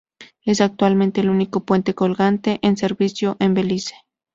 Es actualmente el único puente colgante en servicio en Belice.